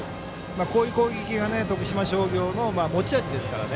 こういう攻撃が徳島商業持ち味ですからね。